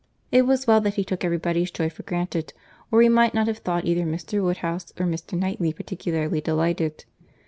It was well that he took every body's joy for granted, or he might not have thought either Mr. Woodhouse or Mr. Knightley particularly delighted.